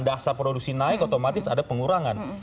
dasar produksi naik otomatis ada pengurangan